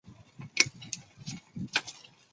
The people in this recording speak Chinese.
办理公证